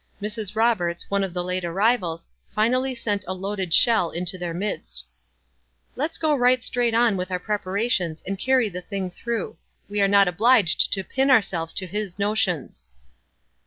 Mrs. Roberts, one of the late arrivals, finally sent a loaded shell into their midst : "Let's go right straight on with our prepara tions, and carry the thing through. "We are not obliged to pin ourselves to his notions."